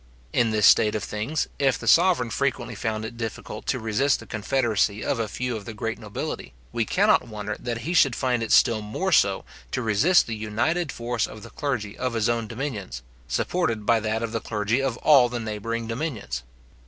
In this state of things, if the sovereign frequently found it difficult to resist the confederacy of a few of the great nobility, we cannot wonder that he should find it still more so to resist the united force of the clergy of his own dominions, supported by that of the clergy of all the neighbouring dominions.